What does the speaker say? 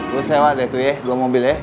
gue sewa deh tuh ya dua mobil ya